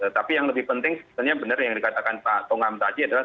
tapi yang lebih penting sebenarnya benar yang dikatakan pak tongam tadi adalah